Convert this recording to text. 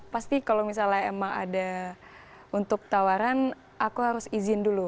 pasti kalau misalnya emang ada untuk tawaran aku harus izin dulu